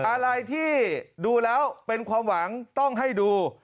อะไรที่ดูแล้วเป็นความหวังต้องให้ดู